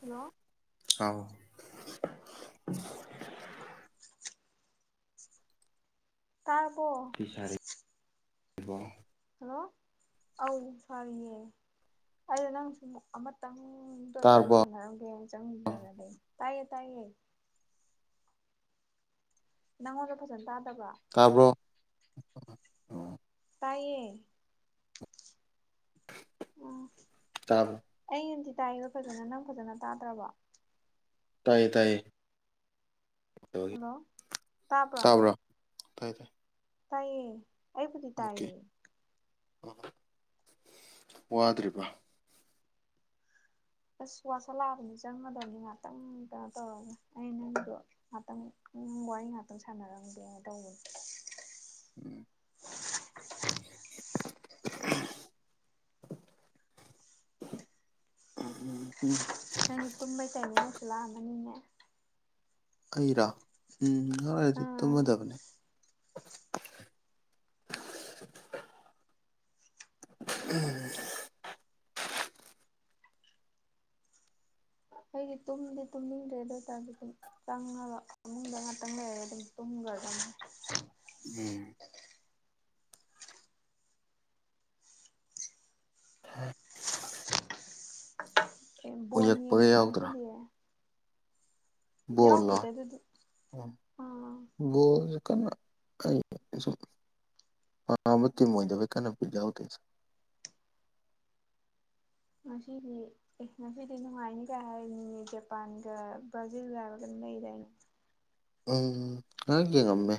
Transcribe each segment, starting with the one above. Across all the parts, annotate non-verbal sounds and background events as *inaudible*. hello ꯆꯥꯎ ꯇꯥꯔ ꯕꯣ ꯕꯣ ꯍꯜꯂꯣ ꯑ ꯁꯥꯔꯤꯅꯦ ꯑꯩꯗ ꯅꯪ ꯁꯨꯝ ꯑꯃꯇꯪꯗ ꯑꯣꯏꯔꯁꯨ ꯇꯥꯔꯕꯣ ꯁꯥꯟꯅꯔꯝꯒꯦ ꯆꯪꯗꯅ ꯂꯩ ꯇꯥꯏꯌꯦ ꯇꯥꯏꯌꯦ ꯅꯪꯉꯣꯟꯗ ꯐꯖꯅ ꯇꯥꯗꯕ꯭ꯔꯥ ꯇꯥꯕꯔꯣ ꯇꯥꯏꯌꯦ ꯇꯕ ꯑꯩ ꯅꯥꯗꯤ ꯇꯥꯏꯑ ꯐꯖꯅ ꯅꯪ ꯐꯖꯅ ꯇꯥꯗ꯭ꯔꯕ ꯇꯥꯏꯌꯦ ꯇꯥꯏꯌꯦ ꯍꯜꯂꯣ ꯇꯥꯕ꯭ꯔꯥ ꯇꯥꯕ꯭ꯔꯣ ꯇꯥꯏꯌꯦ ꯇꯥꯏꯌꯦ ꯇꯥꯏꯌꯦ ꯑꯩꯕꯨꯗꯤ ꯇꯥꯏꯌꯦ ꯍꯜꯂꯣ ꯋꯥꯗ꯭ꯔꯤꯕ ꯑꯁ ꯋꯥꯁꯜꯂꯛꯑꯕꯅꯤ ꯆꯪꯒꯗꯕꯅꯤ ꯉꯍꯥꯛꯇꯪ ꯀꯩꯅꯣ ꯇꯧꯔꯒ ꯑꯩ ꯅꯪꯒꯤꯗꯣ ꯉꯍꯥꯛꯇꯪ ꯋꯥꯔꯤ ꯉꯍꯥꯛꯇꯪ ꯁꯥꯟꯅꯔꯝꯒꯦꯅ ꯇꯧꯕꯅꯦ ꯎꯝ *inaudible* ꯎ ꯎꯝ ꯅꯪꯒꯤ ꯇꯨꯝꯕꯩ ꯇꯥꯏꯃꯤꯡ ꯌꯧꯁꯤꯜ ꯂꯥꯛꯑꯃꯅꯤꯅꯦ ꯑꯩꯔꯥ ꯎꯝ ꯉꯔꯗꯤ ꯑꯥ ꯇꯨꯝꯃꯗꯕꯅꯦ ꯎꯝ ꯑꯩꯗꯤ ꯇꯨꯝꯗꯤ ꯇꯨꯝꯅꯤꯡꯗ꯭ꯔꯦ ꯑꯗꯨ ꯑꯣꯏꯇꯥꯔꯁꯨ ꯗꯨꯝ ꯆꯪꯉꯒ ꯃꯅꯨꯡꯗ ꯉꯥꯛꯇ ꯂꯩꯔꯗꯤ ꯇꯨꯝꯈ꯭ꯔꯒ ꯎꯝ ꯍꯣꯏ ꯕꯣꯟ ꯎꯏꯔꯛꯄꯒ ꯌꯦꯡꯑꯣꯏꯗꯔꯣ ꯌꯥꯎꯗ꯭ꯔꯣ ꯉꯁꯤꯗꯤꯦ ꯕꯣꯟꯂꯣ ꯑꯗꯨꯗꯤ ꯑꯥ ꯕꯣꯟꯗꯤ ꯀꯅ ꯑꯩꯁꯨ ꯄꯥꯝꯕꯥ ꯇꯤꯝ ꯑꯣꯏꯗꯕ ꯀꯥꯟꯅ ꯕꯤꯠ ꯌꯥꯎꯗꯦꯗꯥ ꯃꯁꯤꯗꯤ ꯑꯦ ꯉꯁꯤꯗꯤ ꯅꯨꯡꯉꯥꯏꯅꯤ ꯀꯥꯏ ꯍꯥꯏꯅꯤꯅꯦ ꯖꯄꯥꯟꯒ ꯕ꯭ꯔꯥꯖꯤꯜꯒ ꯍꯥꯏꯕ ꯀꯩꯅꯣꯝ ꯂꯩꯗꯥꯏꯅꯦ ꯎꯝ ꯈꯔ ꯌꯦꯡꯉꯝꯃꯦ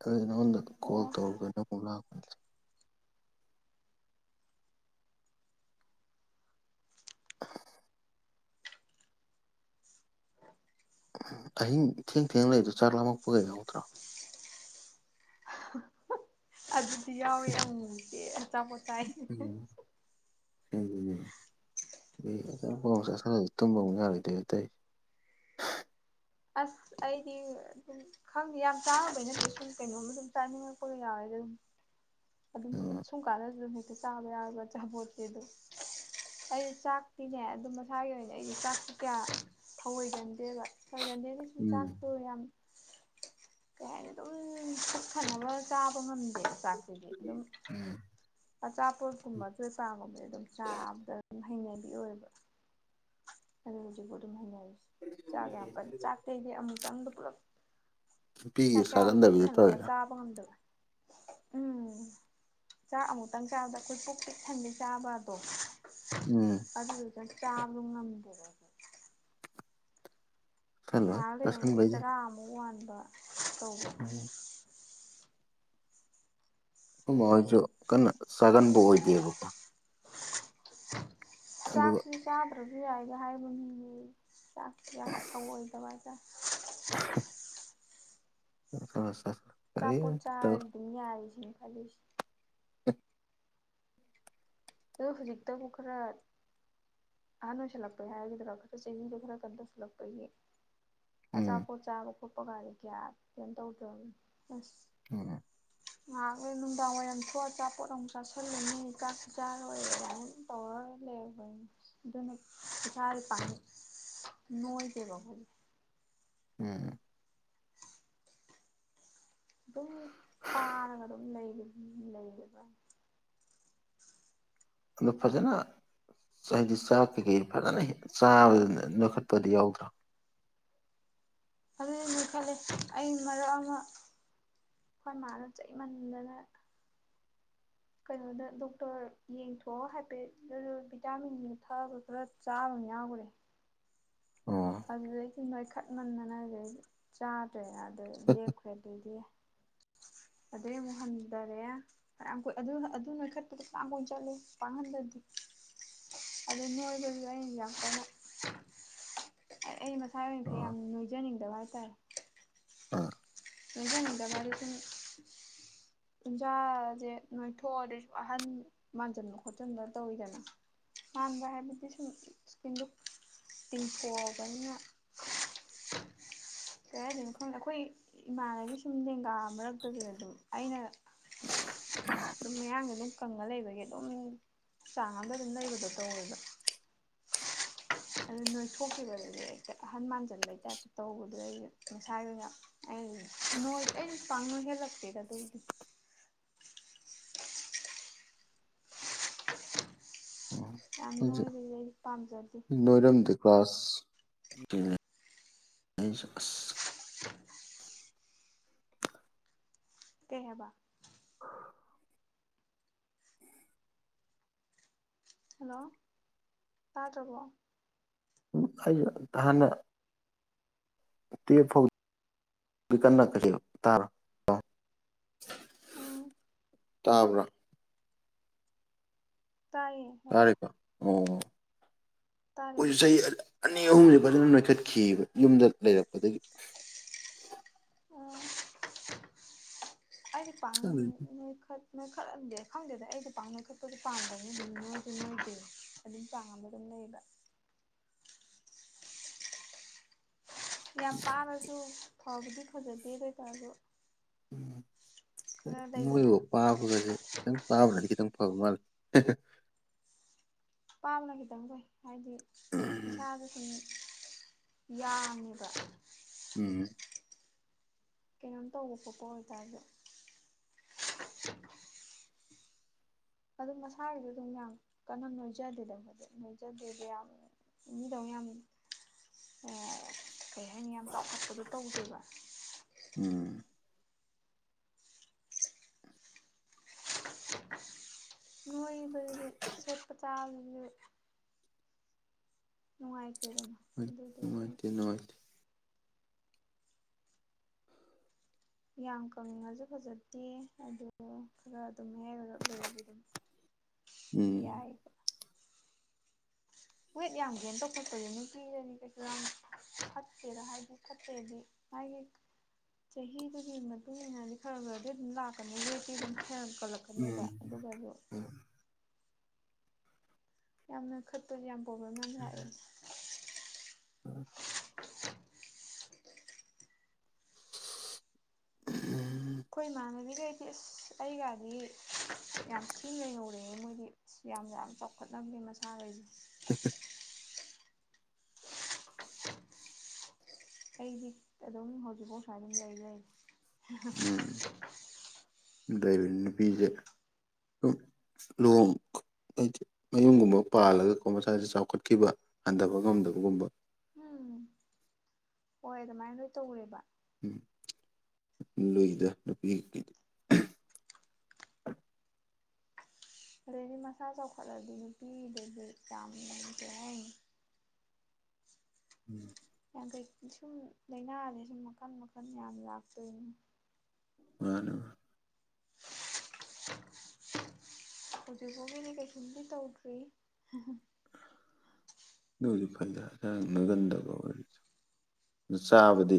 ꯑꯗꯨꯗꯤ ꯅꯉꯣꯟꯗ ꯀꯣꯜ ꯑꯣ ꯇꯧꯔꯒ ꯑꯃꯨꯛ ꯂꯥꯛꯄ ꯖ *inaudible* ꯑꯍꯤꯡ ꯊꯦꯡ ꯊꯦꯡ ꯂꯩꯗꯨ ꯆꯥꯛ ꯂꯥꯝꯃꯛꯄꯒ ꯌꯥꯎꯗ꯭ꯔꯣ ꯑꯗꯨꯗꯤ ꯌꯥꯎꯋꯦ ꯑꯃꯨꯃꯨꯛꯇꯤ ꯑꯆꯥꯄꯣꯠꯆꯥꯏ ꯎꯝ ꯎꯝ *unintelligible* ꯆꯁꯜꯂꯥ ꯇꯨꯝꯕ ꯑꯃꯨꯛ ꯌꯥꯔꯣꯏꯗꯣꯏ ꯑꯇꯩ ꯑꯁ ꯑꯩꯗꯤ ꯈꯪꯗꯦ ꯌꯥꯝ ꯆꯥꯕꯩ ꯅꯠꯇꯦ ꯁꯨꯝ ꯀꯩꯅꯣꯝꯃ ꯑꯗꯨꯝ ꯆꯥꯅꯤꯡꯉꯀꯣ ꯌꯥꯎꯋꯦꯗ ꯑꯗꯨꯝ ꯑꯗꯨꯝ ꯎꯝ ꯁꯨꯝ ꯀꯥꯟꯗꯁꯨ ꯑꯗꯨꯝ ꯍꯦꯛꯇ ꯆꯥꯕ ꯌꯥꯎꯏ ꯑꯆꯥꯄꯣꯠꯁꯦ ꯑꯗꯨꯝ ꯑꯩ ꯆꯥꯛꯇꯤꯅꯦ ꯑꯗꯨ ꯃꯁꯥꯒꯤ ꯑꯣꯏꯅ ꯑꯩꯒꯤ ꯆꯥꯛꯇꯤ ꯀꯌꯥ ꯊꯧꯑꯣꯏꯒꯟꯗꯦꯕ ꯊꯣꯏꯒꯟꯗꯦꯗꯤ ꯑꯗꯨꯁꯨ ꯎꯝ ꯆꯥꯛꯇꯣ ꯌꯥꯝ ꯀꯩ ꯍꯥꯏꯅꯤ ꯑꯗꯨꯝ ꯄꯨꯛ ꯊꯟꯅꯕ ꯆꯥꯕ ꯉꯝꯗꯦ ꯆꯥꯛꯁꯤꯗꯤ ꯑꯗꯨꯝ ꯎꯝ ꯑꯆꯥꯄꯣꯠꯀꯨꯝꯕ ꯑꯆꯣꯏꯄꯥꯒꯨꯝꯕꯗꯤ ꯑꯗꯨꯝ ꯆꯥꯕꯗ ꯍꯩꯅꯕꯤ ꯑꯣꯏꯌꯦꯕ ꯑꯗꯨꯅ ꯍꯧꯖꯤꯛꯄꯣꯛ ꯑꯗꯨꯝ ꯍꯩꯅꯔꯤꯁꯦ ꯆꯥꯛ ꯌꯥꯝ ꯀꯟꯅ ꯆꯥꯛꯇꯤ ꯑꯩꯗꯤ ꯑꯃꯨꯛꯇꯪꯗ ꯄꯨꯂꯞ ꯅꯨꯄꯤꯒꯤ ꯆꯥꯛ ꯆꯥꯕꯗ ꯄꯨꯛ ꯆꯥꯒꯟꯗꯕꯤꯗ ꯊꯟꯅꯕ ꯇꯧꯔꯤꯔꯥ ꯆꯥꯕ ꯉꯝꯗꯕ ꯎꯝ ꯆꯥꯛ ꯑꯃꯨꯛꯇꯪ ꯆꯥꯕꯗ ꯑꯩꯈꯣꯏ ꯄꯨꯛ ꯄꯤꯛ ꯊꯟꯕꯤ ꯆꯥꯕꯒꯗꯣ ꯎꯝ ꯑꯗꯨꯗꯨꯅ ꯆꯥꯕꯗꯣ ꯉꯝꯗꯦꯕ ꯆꯥꯁꯜꯂꯣꯏ ꯅꯍꯥꯛ ꯂꯩꯔꯒ ꯑꯃꯨꯛ ꯆꯥꯁꯟꯕꯩꯗꯤ ꯆꯥꯔ ꯑꯃꯨꯛ ꯋꯥꯟꯕ ꯇꯧꯕ ꯎꯝ ꯑꯩꯈꯣꯏ ꯃꯥꯍꯣꯏꯁꯨ ꯀꯟꯅ ꯆꯥꯒꯟꯕ ꯑꯣꯏꯗꯦꯕꯀꯣ ꯑꯗꯨꯒ ꯆꯥꯛꯁꯤꯁꯨ ꯆꯥꯗ꯭ꯔꯥꯁꯨ ꯌꯥꯏꯍꯦ ꯍꯥꯏꯕ ꯃꯤꯅꯤ ꯑꯩ ꯆꯥꯛ ꯌꯥꯝ ꯊꯧꯑꯣꯏꯗꯕ ꯍꯥꯏꯇꯔꯦ ꯑꯁꯥ ꯑꯁꯥ ꯑꯆꯥꯄꯣꯠ ꯆꯥꯔꯗꯤ ꯑꯗꯨꯝ ꯌꯥꯔꯦꯁꯤꯅꯤ ꯈꯜꯂꯤꯁꯦ ꯑꯗꯣ ꯍꯧꯖꯤꯛꯛꯇꯕꯨ ꯈꯔ ꯑꯍꯟ ꯑꯣꯏꯁꯤꯜꯂꯛꯄꯩ ꯍꯥꯏꯒꯗ꯭ꯔꯣ ꯈꯔ ꯆꯍꯤꯗꯣ ꯈꯔ ꯀꯩꯅꯣ ꯇꯧꯁꯤꯜꯂꯛꯄꯩ ꯎꯝ ꯑꯆꯥꯄꯣꯠ ꯆꯥꯕ ꯈꯣꯠꯄ ꯒꯥꯁꯦ ꯒꯌꯥ ꯀꯩꯝ ꯇꯧꯗ꯭ꯔꯕꯅꯦ ꯑꯁ ꯎꯝ ꯉꯥꯏꯍꯥꯛ ꯂꯩꯔꯒ ꯅꯨꯡꯗꯥꯡ ꯋꯥꯏꯔꯝ ꯊꯣꯛꯑꯥꯒ ꯑꯆꯥꯄꯣꯠ ꯑꯃꯨꯛ ꯆꯥꯁꯤꯜꯂꯅꯤ ꯆꯥꯛ ꯖꯥ ꯂꯣꯏꯔꯦꯅ ꯇꯧꯔ ꯂꯩꯔꯕꯅꯤ ꯑꯗꯨꯅ ꯏꯁꯥꯗꯤ *unintelligible* ꯅꯣꯏꯗꯦꯕ ꯑꯈꯣꯏꯖꯦ ꯎꯝ ꯑꯗꯨꯝ ꯄꯥꯔꯒ ꯑꯗꯨꯝ ꯂꯩꯔꯕꯅꯤ ꯂꯩꯔꯕ ꯑꯗꯣ ꯐꯖꯅ ꯍꯥꯏꯗꯤ ꯆꯥꯛ ꯀꯩꯀꯩ ꯐꯖꯅ ꯆꯥꯕ ꯅꯣꯏꯈꯠꯄꯗꯤ ꯌꯥꯎꯗ꯭ꯔꯣ ꯑꯗꯨꯅꯤ ꯅꯣꯏꯈꯠꯂꯦ ꯑꯩ ꯃꯔꯛ ꯑꯃ ꯑꯩꯈꯣꯏ ꯃꯥꯅ ꯆꯩꯃꯟꯗꯅ ꯀꯩꯅꯣꯗ ꯗꯣꯛꯇꯔ ꯌꯦꯡꯊꯣꯛꯑꯥꯒ ꯍꯥꯏꯐꯦꯠ *unintelligible* ꯚꯤꯇꯥꯃꯤꯟ ꯊꯛꯑꯥꯒ ꯈꯔ ꯆꯥꯕ ꯌꯥꯎꯈꯔꯦ ꯑꯣ ꯑꯗꯨꯗꯒꯤ ꯅꯣꯏꯈꯠꯃꯟꯗꯅ ꯑꯗꯨꯏꯗꯤ ꯆꯥꯗ꯭ꯔꯦꯅ ꯑꯗꯨꯗꯩꯩ ꯂꯦꯞꯈ꯭ꯔꯦ ꯑꯗꯨꯏꯗꯩꯗꯤ ꯑꯗꯨꯏ ꯑꯃꯨꯛ ꯍꯟꯊꯔꯦ ꯐꯅꯌꯥꯝ ꯀꯨꯢ ꯑꯗꯨ ꯑꯗꯨ ꯅꯣꯏꯈꯠꯄꯗꯣ ꯐꯅꯌꯥꯝ ꯀꯨꯏꯅ ꯆꯠꯂꯤꯍꯦ ꯄꯥꯛ ꯍꯟꯗꯗꯦ ꯑꯗꯨ ꯅꯣꯏꯕꯗꯨꯁꯨ ꯑꯩꯅ ꯌꯥꯝ ꯀꯟꯅ ꯑꯩ ꯑꯩ ꯃꯁꯥ ꯑꯣꯏꯅ ꯑꯣ ꯌꯥꯝ ꯅꯣꯏꯖꯅꯤꯡꯗꯕ ꯍꯥꯏꯇꯥꯔꯦ ꯑꯥ ꯅꯣꯏꯖꯅꯤꯡꯗꯕ ꯍꯥꯏꯗꯤ ꯁꯨꯝ ꯎꯟꯖꯥꯁꯦ ꯅꯣꯏꯊꯣꯛꯑꯗꯤ ꯁꯨꯝ ꯑꯍꯟ ꯃꯥꯟꯖꯟꯕ ꯈꯣꯠꯖꯤꯟꯕ ꯇꯧꯋꯤꯗꯅ ꯃꯥꯟꯅꯕ ꯍꯥꯏꯕꯗꯤ ꯁꯨꯝ ꯁ꯭ꯀꯤꯟꯗꯨ ꯇꯤꯡꯊꯣꯛꯑꯕꯅꯤꯅ ꯀꯩ ꯍꯥꯏꯗꯣꯏꯅꯣ ꯈꯪꯗꯦ ꯑꯩꯈꯣꯏ ꯏꯃꯥꯟꯅꯕꯤ ꯁꯨꯝ ꯂꯦꯡꯒꯥ ꯃꯔꯛꯇꯁꯨ ꯑꯗꯨꯝ ꯑꯩꯅ ꯑꯗꯨꯝ ꯃꯌꯥꯡ ꯑꯗꯨꯝ ꯀꯪꯉ ꯂꯩꯕꯒꯤ ꯑꯗꯨꯝ ꯆꯥꯡ ꯑꯝꯗ ꯑꯗꯨꯝ ꯂꯩꯕꯗꯣ ꯇꯧꯋꯦꯕ ꯑꯗꯨ ꯅꯣꯏꯊꯣꯛꯈꯤꯕꯗꯤ ꯍꯦꯛꯇ ꯑꯍꯟ ꯃꯥꯟꯖꯟꯕꯩ ꯇꯥꯏꯞꯇ ꯇꯧꯕꯗꯨ ꯑꯩꯒꯤꯅ ꯃꯁꯥꯒꯤ ꯑꯣꯏꯅ ꯑꯩ ꯅꯣꯏ ꯑꯩ ꯄꯥꯛꯅ ꯅꯣꯏꯒꯠꯂꯛꯇꯦꯗ ꯑꯗꯨꯕꯨꯗꯤ ꯑꯣ ꯌꯥꯝꯅ ꯅꯣꯏꯕꯗꯤ ꯑꯩ ꯄꯥꯝꯖꯗꯦ ꯅꯣꯏꯔꯣꯝꯗ ꯀ꯭ꯂꯥꯁ *unintelligible* ꯑꯩ ꯑꯁ ꯀꯩ ꯍꯥꯏꯕ ꯍꯜꯂꯣ ꯇꯥꯗ꯭ꯔꯕꯣ ꯎꯝ ꯑꯩꯁꯨ ꯍꯥꯟꯅ ꯇꯨꯌꯦꯐꯥꯎ ꯀꯟꯅ *unintelligible* ꯀꯔꯤ ꯇꯥꯕ꯭ꯔꯥ ꯎꯝ ꯇꯥꯕ꯭ꯔꯥ ꯇꯥꯏꯌꯦ ꯍꯥꯏꯔꯛꯑꯣ ꯇꯥꯔꯦꯀꯣ ꯑꯣ ꯇꯥꯔꯦ ꯑꯩꯈꯣꯏ ꯆꯍꯤ ꯑꯅꯤ ꯑꯍꯨꯝꯁꯦ ꯐꯖꯅ ꯅꯣꯏꯈꯠꯈꯤꯕ ꯌꯨꯝꯗ ꯂꯩꯔꯛꯄꯗꯒꯤ ꯎꯝ ꯑꯩꯗꯤ ꯄꯥꯛꯅ ꯅꯣꯏꯈꯠ ꯅꯣꯏ ꯈꯠꯂꯝꯗꯦ ꯈꯪꯗꯦꯗ ꯑꯩꯁꯨ ꯄꯥꯛ ꯅꯣꯏꯈꯠꯄꯗꯤ ꯄꯥꯝꯗꯕꯅꯤ ꯑꯗꯨꯝ ꯅꯣꯏꯁꯨ ꯅꯣꯏꯗꯦ ꯑꯗꯨꯝ ꯆꯥꯡ ꯑꯃꯗ ꯑꯗꯨꯝ ꯂꯩꯕ ꯌꯥꯝ ꯄꯥꯔꯁꯨ ꯐꯕꯗꯤ ꯐꯖꯗꯦ ꯑꯗꯨ ꯑꯣꯏ ꯇꯥꯔꯁꯨ ꯎꯝ ꯂꯩꯗꯅ ꯅꯣꯏꯕꯣ ꯄꯥꯕꯒꯁꯦ ꯈꯤꯇꯪ ꯄꯥꯥꯕꯅꯗꯤ ꯈꯤꯇꯪ ꯐꯕ ꯃꯥꯜꯂꯦ ꯄꯥꯕꯅ ꯈꯤꯇꯪ ꯐꯩ ꯍꯥꯏꯗꯤ ꯏꯁꯥꯗ ꯁꯨꯝ ꯌꯥꯡꯉꯦꯕ ꯎꯝ ꯀꯩꯅꯣꯝ ꯇꯧꯕ ꯈꯣꯠꯄ ꯑꯣꯏꯇꯥꯔꯁꯨ ꯎꯝ ꯑꯗꯨꯝ ꯃꯁꯥꯒꯤꯁꯨ ꯑꯗꯨꯝ ꯌꯥꯝ ꯀꯟꯅ ꯅꯣꯏꯖꯗꯦꯗ ꯑꯩꯈꯣꯏꯗꯤ ꯅꯣꯏꯖꯗꯦꯗ ꯌꯥꯝ ꯃꯤꯗꯧ ꯌꯥꯝ ꯀꯩ ꯍꯥꯏꯅꯤ ꯌꯥꯝ ꯆꯥꯎꯈꯠꯄꯗꯣ ꯇꯧꯗꯦꯕ ꯎꯝ ꯅꯣꯏꯕꯗꯤ ꯁꯦꯠꯄ ꯆꯥꯕꯗꯁꯨ ꯅꯨꯡꯉꯥꯏꯇꯦꯗꯅ ꯑꯗꯨꯗꯨꯒꯤ ꯑꯩꯅ ꯅꯨꯡꯉꯥꯏꯇꯦ ꯅꯨꯡꯉꯥꯏꯇꯦ ꯌꯥꯝ ꯀꯡꯉꯁꯨ ꯐꯖꯗꯦ ꯑꯗꯨ ꯈꯔ ꯑꯗꯨꯝ ꯃꯌꯥꯏ ꯑꯣꯏꯔꯞ ꯂꯩꯔꯗꯤ ꯑꯗꯨꯝ ꯎꯝ ꯌꯥꯏ ꯋꯦꯠ ꯌꯥꯝ ꯒꯦꯟ ꯇꯧꯈꯠꯄꯁꯦ ꯅꯨꯄꯤꯗꯗꯤ ꯀꯩꯁꯨ ꯌꯥꯝ ꯐꯠꯇꯦꯗ ꯍꯥꯏꯗꯤ ꯐꯠꯇꯦꯗꯤ ꯃꯥꯒꯤ ꯆꯍꯤꯗꯨꯒꯤ ꯃꯇꯨꯡ ꯏꯟꯅꯗꯤ ꯈꯔ ꯈꯔꯗꯤ ꯑꯗꯨꯝ ꯂꯥꯛꯀꯅꯤ ꯔꯦꯠꯇꯤ ꯑꯗꯨꯝ ꯍꯦꯟꯒꯠꯂꯛꯄ ꯐꯒꯅꯦꯕ ꯎꯝ ꯑꯗꯨꯒꯁꯨ ꯌꯥꯝꯅ ꯈꯠꯄꯁꯦ ꯌꯥꯝ ꯄ꯭ꯔꯣꯕ꯭ꯂꯦꯝ ꯌꯥꯝ ꯂꯥꯛꯑꯦ *inaudible* ꯁꯤ *inaudible* ꯑꯩꯈꯣꯏ ꯏꯃꯥꯟꯅꯕꯤꯈꯩꯗꯤ ꯑꯁ ꯑꯩꯒꯗꯤ ꯌꯥꯝ ꯊꯤꯅ ꯍꯩꯌꯧꯔꯦꯑꯦ ꯃꯣꯏꯗꯤ ꯁꯤ ꯌꯥꯝꯅ ꯆꯥꯎꯈꯠꯇꯕꯅꯤ ꯃꯁꯥꯈꯩꯁꯦ *inaudible* ꯑꯩꯗꯤ ꯑꯗꯨꯝ ꯍꯧꯖꯤꯛꯐꯥꯎ ꯁꯨꯋꯥꯏꯑꯗꯨꯝ ꯂꯩ ꯂꯩꯔꯤ ꯕꯦꯕꯤ ꯅꯨꯄꯤꯗꯤ ꯑꯗꯨꯝ ꯂꯨꯍꯣꯡ ꯍꯥꯏꯗꯤ ꯃꯌꯨꯝꯒꯨꯝꯕ ꯄꯥꯜꯂꯒꯀꯣ ꯃꯁꯥꯁꯤ ꯆꯥꯎꯈꯠꯈꯤꯕ ꯍꯟꯊꯕ ꯉꯝꯗꯕꯒꯨꯝꯕ ꯎꯝ ꯍꯣꯏ ꯑꯗꯨꯃꯥꯏꯅ ꯂꯣꯏ ꯇꯧꯋꯦꯕ ꯂꯨꯏꯗ ꯅꯨꯄꯤ ꯑꯒꯤꯗꯤ ꯑꯗꯨꯗꯩꯗꯤ ꯃꯁꯥ ꯆꯥꯎꯈꯠꯂꯗꯤ ꯅꯨꯄꯤꯗꯗꯤ ꯌꯥꯝ ꯉꯝꯅ ꯀꯩ ꯍꯥꯏꯅꯤ ꯎꯝ ꯌꯥꯡꯀꯩ ꯁꯨꯝ ꯂꯥꯏꯅꯥꯁꯦ ꯁꯨꯝ ꯃꯈꯟ ꯃꯈꯟ ꯌꯥꯝ ꯂꯥꯛꯇꯣꯏꯅꯦ *unintelligible* ꯍꯧꯖꯤꯛ ꯐꯥꯎꯒꯤꯗꯤ ꯀꯩꯁꯨꯝꯗꯤ ꯇꯧꯗ꯭ꯔꯤ ꯑꯗꯨꯣꯏꯗꯤ ꯐꯟꯗ ꯅꯪ ꯅꯥꯒꯟꯗꯕ ꯑꯣꯏꯔꯤꯁ ꯑꯗꯨ ꯆꯥꯕꯗꯤ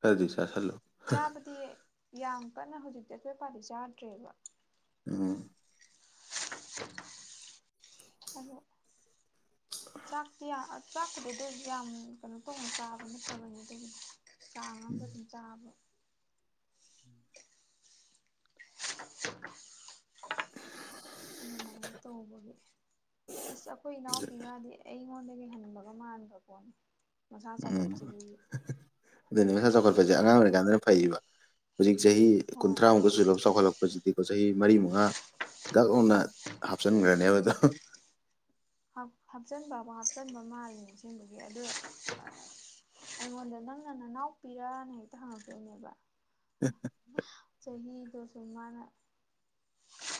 ꯈ꯭ꯔ ꯗꯤ ꯆꯥꯁꯤꯟꯂꯨ ꯆꯥꯕꯗꯤ ꯌꯥꯝ ꯀꯟꯅ ꯍꯧꯖꯤꯛꯇꯤ ꯑꯆꯣꯏ ꯄꯥꯗꯤ ꯆꯥꯗ꯭ꯔꯦꯕ ꯎꯝ ꯑꯗꯣ ꯆꯥꯛꯇꯤꯑ ꯆꯥꯛꯄꯨꯗꯗꯗꯤ ꯌꯥꯝ ꯀꯩꯅꯣ ꯇꯧꯅ ꯆꯥꯕ ꯅꯥꯠꯇꯕꯅꯤ ꯑꯗꯨꯕꯨ ꯆꯥꯡ ꯑꯝꯗ ꯑꯗꯨꯝ ꯆꯥꯕ ꯑꯗꯨꯃꯥꯏꯅ ꯇꯧꯕꯒꯤ ꯑꯁ ꯑꯩꯈꯣꯏ ꯏꯅꯥꯎꯄꯤ ꯅꯗꯤ ꯑꯩꯉꯣꯟꯗꯒꯤ ꯍꯟꯕꯒ ꯃꯥꯟꯕ ꯀꯣ ꯃꯁꯥ ꯆꯥꯎꯈꯠꯈꯤꯕꯒꯤ ꯑꯗꯨꯅꯤ ꯃꯁꯥ ꯆꯥꯎꯈꯠꯄꯁꯦ ꯑꯉꯥꯡ ꯑꯣꯏꯔꯀꯥꯟꯗꯅ ꯐꯩꯑꯦꯕ ꯍꯧꯖꯤꯛ ꯆꯍꯤ ꯍꯣꯏ ꯀꯨꯟꯊ꯭ꯔꯥ ꯃꯨꯛꯀ ꯁꯨꯔ ꯆꯥꯎꯈꯠꯂꯛ ꯍꯧꯖꯤꯛꯇꯤꯀꯣ ꯆꯍꯤ ꯃꯔꯤ ꯃꯉꯥ ꯒꯛ ꯂꯥꯎꯅ ꯍꯥꯞꯆꯤꯟꯈ꯭ꯔꯅꯦꯕ ꯑꯗꯣ ꯍꯥꯞ ꯍꯥꯞꯆꯤꯟꯕꯕꯨ ꯍꯥꯞꯆꯤꯟꯕ ꯃꯥꯜꯂꯤꯅꯦ ꯑꯁꯦꯡꯕꯒꯤ ꯑꯗꯨ ꯑꯩꯉꯣꯟꯗ ꯅꯪꯅ ꯅꯅꯥꯎꯄꯤꯔꯅ ꯍꯦꯛꯇ ꯍꯪꯉꯛꯇꯣꯏꯅꯦꯕ ꯍꯦꯍꯦ ꯆꯍꯤꯗꯨꯁꯨ ꯃꯥꯅ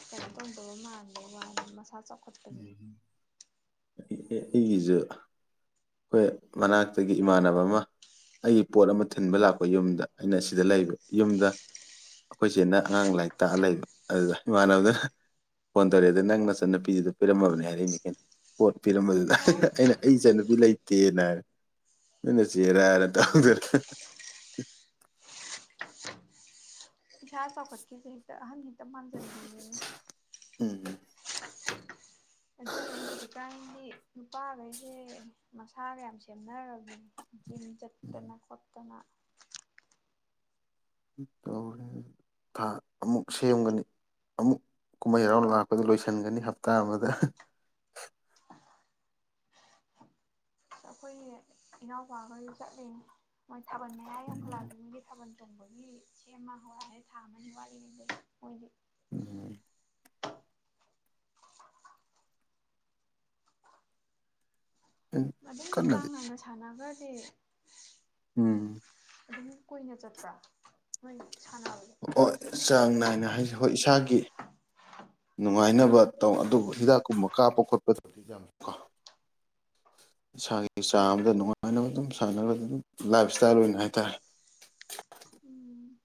ꯀꯩꯅꯣ ꯇꯧꯗꯕꯩ ꯃꯥꯟꯕꯩꯅꯦ ꯍꯥꯏꯕ ꯃꯁꯥ ꯆꯥꯎ ꯍꯦꯍꯦ ꯑꯩꯒꯤꯁꯨ ꯈꯣꯏ ꯃꯅꯥꯛꯇꯒ ꯏꯃꯥꯟꯅꯕ ꯑꯃ ꯑꯩꯒꯤ ꯄꯣꯠ ꯑꯃ ꯊꯤꯟꯕ ꯂꯥꯛꯄ ꯌꯨꯝꯗ ꯑꯩꯅ ꯁꯤꯗ ꯂꯩꯕ ꯌꯨꯝꯗ ꯑꯈꯣꯏ ꯆꯦꯅ ꯑꯉꯥꯡ ꯂꯥꯏꯔꯤꯛ ꯇꯥꯛꯑ ꯂꯩꯕ ꯑꯗꯨꯗ ꯏꯃꯥꯟꯅꯕꯗꯨꯅ ꯐꯣꯟ ꯇꯧꯔꯛꯑꯦ ꯗꯨ ꯅꯪ ꯅꯆꯟ ꯅꯨꯄꯤꯗꯨ ꯄꯤꯔꯝꯃꯕꯅꯦ ꯍꯥꯏꯔꯛꯏꯅꯤ ꯀꯩꯅꯣ ꯄꯣꯠ ꯄꯤꯔꯝꯕꯗꯨꯗ ꯑꯣ ꯑꯩꯅ ꯑꯩ ꯏꯆꯟ ꯅꯨꯨꯄꯤ ꯂꯩꯇꯦꯅ ꯍꯥꯏꯕ ꯅꯣꯏ ꯅꯆꯦꯔꯥ ꯍꯥꯏꯅ ꯇꯧꯍꯧꯗꯔꯦ ꯏꯁꯥ ꯆꯥꯎꯈꯠꯈꯤꯕꯗ ꯍꯦꯛꯇ ꯑꯍꯟ ꯍꯦꯛꯇ ꯃꯥꯥꯡꯖꯟꯈꯤꯕꯅꯤ ꯎꯝ ꯑꯗꯨꯅꯦ ꯍꯧꯖꯤꯛꯀꯥꯟꯗꯤ ꯅꯨꯄꯥꯈꯩꯁꯦ ꯃꯁꯥꯒ ꯌꯥꯝ ꯁꯦꯝꯅꯔꯕꯅꯦ ꯖꯤꯝ ꯆꯠꯇꯅ ꯈꯣꯠꯇꯅ ꯇꯧꯔꯦ ꯊꯥ ꯑꯃꯨꯛ ꯁꯦꯝꯒꯅꯤ ꯑꯃꯨꯛ ꯀꯨꯝꯍꯩ ꯍꯔꯥꯎ ꯂꯥꯛꯄꯗ ꯂꯣꯏꯁꯤꯟꯒꯅꯤ ꯍꯞꯇꯥ ꯑꯃꯗ ꯑꯩꯈꯣꯏꯒꯤ ꯏꯅꯥꯎꯄꯥꯈꯣꯏꯁꯨ ꯆꯠꯂꯤꯅꯤ ꯑꯥ ꯊꯥꯕꯟ ꯃꯌꯥ ꯌꯧꯈꯠꯂꯛꯑꯗꯤ ꯃꯤꯒꯤ ꯊꯥꯕꯟ ꯆꯣꯡꯕꯒꯤ ꯁꯦꯝꯕ ꯍꯧꯋꯦ ꯍꯥꯏꯌꯦ ꯊꯥ ꯑꯃꯅꯤ ꯋꯥꯠꯂꯤꯉꯩꯗꯒꯤ ꯃꯣꯏꯗꯤ ꯎꯝ ꯑꯗꯨꯝ ꯀꯥꯡ ꯀꯟꯅꯗꯤ ꯉꯅ ꯁꯥꯟꯅꯈ꯭ꯔꯗꯤ ꯎꯝ ꯑꯗꯨꯝ ꯀꯨꯏꯅ ꯆꯠꯄ꯭ꯔꯥ ꯅꯣꯏ ꯁꯥꯟꯅꯕꯖꯦ ꯑꯣ ꯆꯥꯡ ꯅꯥꯏꯅ ꯍꯥꯏꯁꯦ ꯍꯣꯏ ꯏꯁꯥꯒꯤ ꯅꯨꯡꯉꯥꯏꯅꯕ ꯇꯧ ꯑꯗꯨꯕꯨ ꯍꯤꯗꯥꯛꯀꯨꯝꯕ ꯀꯥꯞꯄ ꯈꯣꯠꯄꯗꯗꯤ ꯌꯥꯝꯀꯣ ꯏꯁꯥꯒꯤ ꯆꯥꯡ ꯑꯃꯗ ꯎꯝ ꯅꯨꯡꯉꯥꯏꯅꯕ ꯑꯗꯨꯝ ꯁꯥꯟꯅꯔ ꯑꯗꯨꯝ ꯂꯥꯏꯞ ꯏꯁꯇꯥꯏꯜ ꯑꯣꯏꯅ ꯍꯥꯏꯇꯥꯔꯦ ꯎꯝ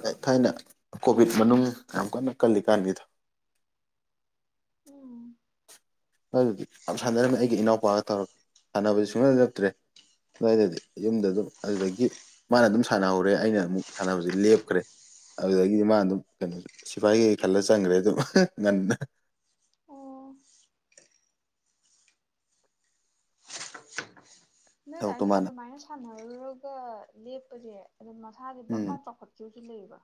ꯊ ꯊꯥꯏꯅ ꯀꯣꯚꯤꯠ ꯃꯅꯨꯡ ꯌꯥꯝ ꯀꯟꯅ ꯀꯜꯂꯤ ꯀꯥꯟꯒꯤꯗꯣ ꯎꯝ ꯑꯗꯨꯗꯤ ꯌꯥꯝ ꯁꯥꯟꯅꯔꯝꯃꯦ ꯑꯩꯒꯤ ꯏꯅꯥꯎꯄꯥꯒ ꯇꯧꯔꯒ ꯁꯥꯟꯅꯕꯁꯤ ꯁꯨꯡꯂꯦꯞ ꯂꯦꯞꯇ꯭ꯔꯦ ꯅꯣꯏꯒꯤꯗꯤ ꯌꯨꯝꯗ ꯑꯗꯨꯝ ꯑꯗꯨꯗꯒꯤ ꯃꯥꯅ ꯑꯗꯨꯝ ꯁꯥꯟꯅꯍꯧꯔꯦ ꯑꯩꯅ ꯑꯃꯨꯛ ꯁꯥꯟꯅꯕꯁꯦ ꯂꯦꯞꯈ꯭ꯔꯦ ꯑꯗꯨꯗꯒꯤꯗꯤ ꯃꯥ ꯑꯗꯨꯝ ꯀꯩꯅꯣ ꯁꯤꯐꯥꯏ ꯀꯩꯩ ꯈꯜꯂ ꯆꯪꯈ꯭ꯔꯦ ꯑꯗꯨꯝ ꯉꯟꯅ ꯑꯣ ꯊꯕꯛꯇꯣ ꯅꯣꯏꯒꯁꯦ ꯃꯥꯅ ꯑꯗꯨꯃꯥꯏꯅ ꯁꯥꯟꯅꯔꯨꯔꯒ ꯂꯦꯞꯄꯖꯦ ꯑꯗꯨꯝ ꯃꯁꯥꯖꯦ ꯕꯛ ꯎꯝ ꯂꯥꯎ ꯆꯥꯎꯈꯠ ꯆꯨꯖꯨ ꯂꯩꯌꯦꯕ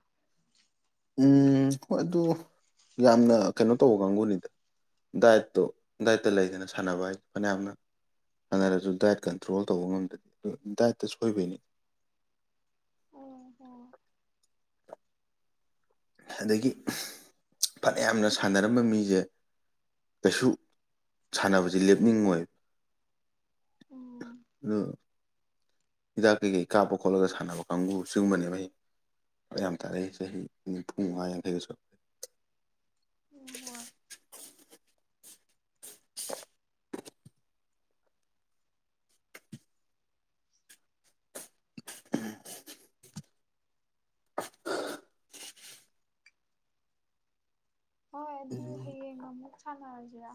ꯎꯝ ꯍꯣꯏ ꯑꯗꯨ ꯌꯥꯝꯅ ꯀꯩꯅꯣ ꯇꯧꯕ ꯀꯥꯡꯒꯨꯅꯤꯗ ꯗꯥꯏꯠꯇꯣ ꯗꯥꯏꯠꯇ ꯂꯩꯗꯅ ꯁꯥꯟꯅꯕ ꯍꯥꯏꯁꯦ ꯐꯅꯌꯥꯝꯅ ꯁꯥꯟꯅꯔꯁꯨ ꯗꯥꯏꯠ ꯀꯟꯇ꯭ꯔꯣꯜ ꯇꯧꯕ ꯉꯝꯗꯥ ꯑꯗꯨ ꯗꯥꯏꯠꯇ ꯁꯣꯏꯕꯩꯅꯤ ꯎꯝ ꯍꯣꯏ ꯑꯗꯥꯒꯤ ꯐꯅꯌꯥꯝꯅ ꯁꯥꯟꯅꯔꯝꯕ ꯃꯤꯖꯦ ꯀꯩꯁꯨ ꯁꯥꯟꯅꯕꯖꯦ ꯂꯦꯞꯅꯤꯡꯉꯣꯏ ꯎꯝ ꯑꯗꯨ ꯍꯤꯗꯥꯛ ꯀꯩꯀꯩ ꯀꯥꯞꯄ ꯈꯣꯠꯂꯒ ꯁꯥꯟꯅꯕ ꯀꯥꯡꯒꯨ ꯁꯤꯒꯨꯝꯕꯅꯦꯕ ꯑꯩ ꯐꯔꯛ ꯌꯥꯝ ꯇꯥꯔꯛꯏ ꯆꯍꯤ ꯅꯤꯐꯨ ꯃꯉꯥ ꯌꯥꯡꯈꯩꯒ ꯁꯨꯔꯛ ꯎꯝ ꯍꯣꯏ ꯍꯣꯏ ꯑꯗꯨ ꯎꯝ ꯍꯌꯦꯡ ꯑꯃꯨꯛ ꯁꯥꯟꯅꯔꯖꯤꯔꯥ